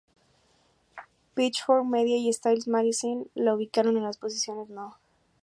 Pitchfork Media y "Stylus Magazine" la ubicaron en las posiciones No.